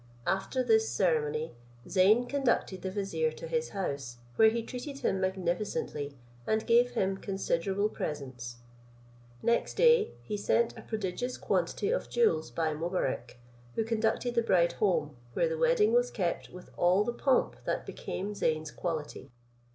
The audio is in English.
After this ceremony, Zeyn conducted the vizier to his house, where he treated him magnificently, and gave him considerable presents. Next day he sent a prodigious quantity of jewels by Mobarec, who conducted the bride home, where the wedding was kept with all the pomp that became Zeyn's quality.